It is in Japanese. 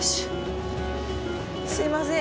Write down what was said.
すみません。